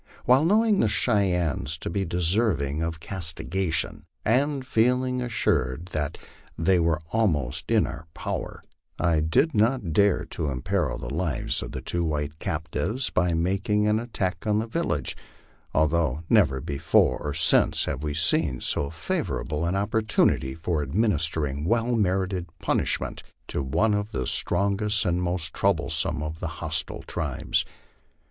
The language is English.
While knowing the Cheyennes to be deserving of castigation, and feeling as sured that they were almost in our power, I did not dare to imperil the lives of the two white captives by making an attack on the village, although never before or since have we seen so favorable an opportunity for administering well merited punishment to one of the strongest and most troublesome of the hostile tribes.